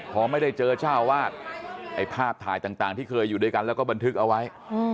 พอไม่ได้เจอเจ้าวาดไอ้ภาพถ่ายต่างที่เคยอยู่ด้วยกันแล้วก็บันทึกเอาไว้